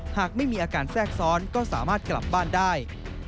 หากไม่มีอาการแทรกซ้อนก็สามารถกลับบ้านได้